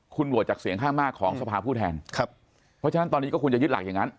คุณโหวตจากเสียงข้างมากของสภาผู้แทนครับเพราะฉะนั้นตอนนี้ก็ควรจะยึดหลักอย่างนั้น